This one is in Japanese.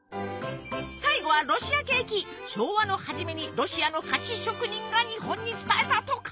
最後は昭和の初めにロシアの菓子職人が日本に伝えたとか。